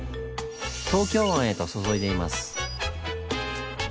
東京湾へと注いでいます。